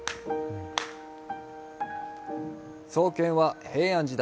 創建は平安時代。